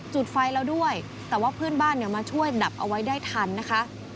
จุดไฟแล้วด้วยแต่ว่าเพื่อนบ้านเนี่ยมาช่วยดับเอาไว้ได้ทันนะคะ